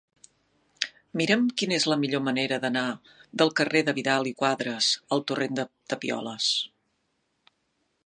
Mira'm quina és la millor manera d'anar del carrer de Vidal i Quadras al torrent de Tapioles.